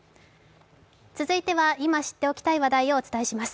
続いては今知っておきたい話題を紹介します。